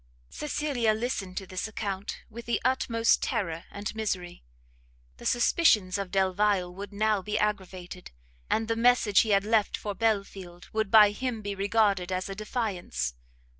Cecilia listened to this account with the utmost terror and misery; the suspicions of Delvile would now be aggravated, and the message he had left for Belfield, would by him be regarded as a defiance.